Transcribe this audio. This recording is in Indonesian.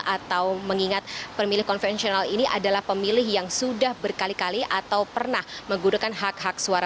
atau mengingat pemilih konvensional ini adalah pemilih yang sudah berkali kali atau pernah menggunakan hak hak suara